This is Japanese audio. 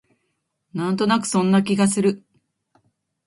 なんとなくそんな気がする